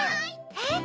えっ？